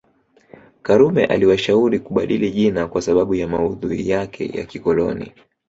Karume aliwashauri kubadili jina kwa sababu ya maudhui yake ya kikoloni